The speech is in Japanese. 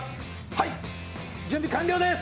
はい、準備完了です。